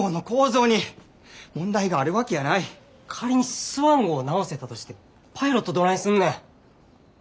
仮にスワン号を直せたとしてもパイロットどないすんねん。